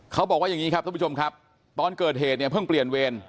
เขาบอกว่าอย่างนี้ครับท่านผู้ชมครับตอนเกิดเหตุเนี่ยเพิ่งเปลี่ยนเวร